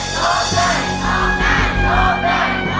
ร้องได้ร้องได้ร้องได้ร้องได้